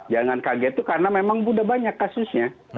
jangan kaget itu karena memang sudah banyak kasusnya